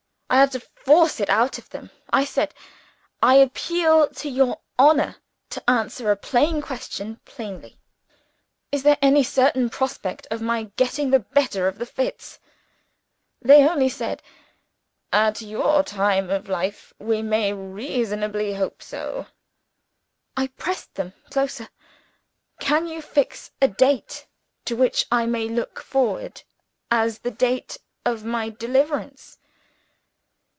I had to force it out of them. I said, 'I appeal to your honor to answer a plain question plainly. Is there any certain prospect of my getting the better of the fits?' They only said, 'At your time of life, we may reasonably hope so.' I pressed them closer: 'Can you fix a date to which I may look forward as the date of my deliverance?'